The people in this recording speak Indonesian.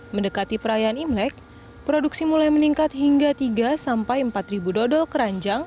mendekati perayaan imlek produksi mulai meningkat hingga tiga sampai empat dodol keranjang